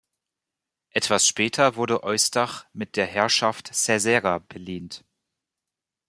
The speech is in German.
Etwas später wurde Eustach mit der Herrschaft Caesarea belehnt.